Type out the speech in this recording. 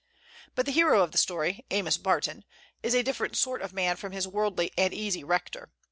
But the hero of the story Amos Barton is a different sort of man from his worldly and easy rector.